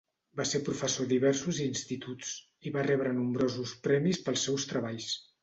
Va ser professor a diversos instituts, i va rebre nombrosos premis pels seus treballs.